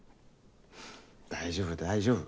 大丈夫大丈夫。